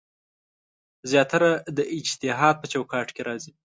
زیاتره د اجتهاد په چوکاټ کې راځي.